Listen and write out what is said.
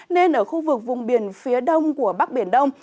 nên ở khu vực vùng biển phía đông của bắc biển đông